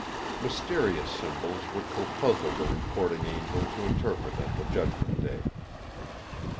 Mysterious symbols which will puzzle the Recording Angel to interpret at the Judgment Day.